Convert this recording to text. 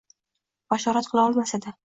bashorat qila olmas edi.